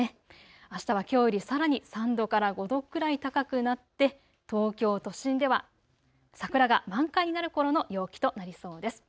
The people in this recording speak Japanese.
あしたはきょうよりさらに３度から５度くらい高くなって東京都心では桜が満開になるころの陽気となりそうです。